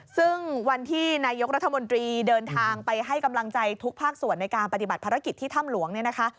ซึ่งวันที่นายกรัฐมนตรีเดินทางไปให้กำลังใจทุกภาคส่วนในการปฏิบัติภารกิจที่ถ้ำหลวงเนี่ยนะคะ